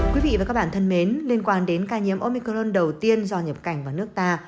quý vị và các bạn thân mến liên quan đến ca nhiễm omicron đầu tiên do nhập cảnh vào nước ta